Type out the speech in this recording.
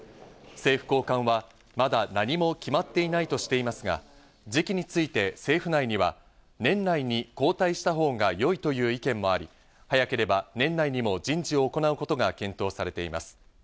政府高官は、まだ何も決まっていないとしていますが、時期について政府内には年内に交代した方が良いという意見もあり、早ければ年内にも人事を行うことが検討されています。